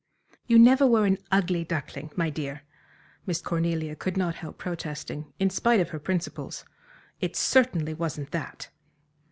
"You never were an ugly duckling, my dear," Miss Cornelia could not help protesting, in spite of her principles. "It certainly wasn't that."